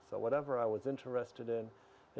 bahwa mereka ingin mengajar saya